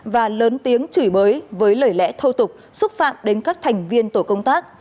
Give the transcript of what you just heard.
và lớn tiếng chửi bới với lời lẽ thô tục xúc phạm đến các thành viên tổ công tác